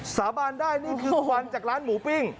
สาบานได้นี่คือควันจากร้านหมูปิ้ง